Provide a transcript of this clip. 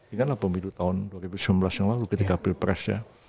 ingatlah pemilu tahun dua ribu sembilan belas yang lalu ketika hampir pres ya